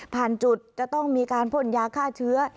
จุดจะต้องมีการพ่นยาฆ่าเชื้อ